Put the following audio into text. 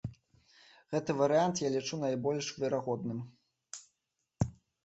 Гэты варыянт я лічу найбольш верагодным.